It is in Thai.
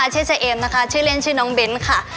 เหยิบมาเลยค่ะ